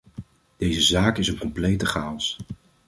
Deze zaak is een complete chaos.